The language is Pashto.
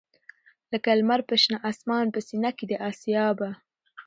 لکه لــــمــر پر شــــنه آســــمـــان په ســــینـه کـــي د آســــــــــیا به